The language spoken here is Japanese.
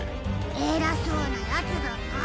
えらそうなヤツだな。